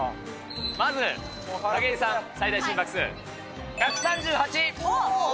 まず、景井さん、最大心拍数おっ。